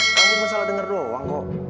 kamu salah dengar doang kok